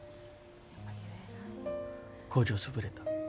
工場、潰れた。